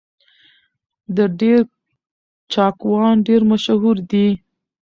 د دير چاکوان ډېر مشهور دي